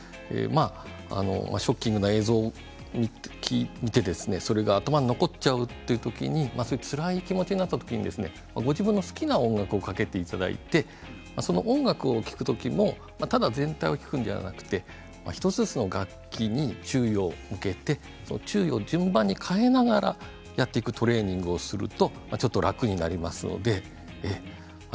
ショッキングな映像を見てそれが、頭の中に残っちゃうという時につらい気持ちになった時にご自分の好きな音楽をかけていただいてそれを聴く時もただ全体を聴くんじゃなくて１つずつの楽器に注意を向けてその注意を順番に変えながらやっていくトレーニングをするとちょっと楽になります。